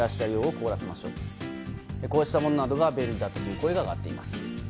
こうしたものなどが便利だという声が上がっています。